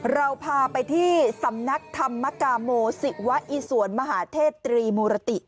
เราพาไปที่สำนักธรรมกาโมศิวะอิสวนมหาเทศตรีมูลติ